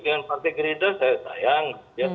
dengan partai gerindra saya sayang